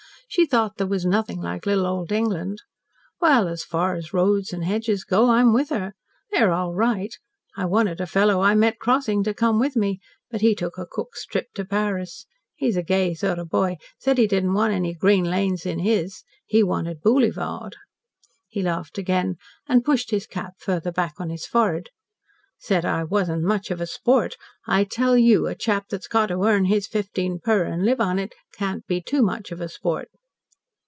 She thought there was nothing like little old England. Well, as far as roads and hedges go, I'm with her. They're all right. I wanted a fellow I met crossing, to come with me, but he took a Cook's trip to Paris. He's a gay sort of boy. Said he didn't want any green lanes in his. He wanted Boolyvard." He laughed again and pushed his cap farther back on his forehead. "Said I wasn't much of a sport. I tell YOU, a chap that's got to earn his fifteen per, and live on it, can't be TOO much of a sport."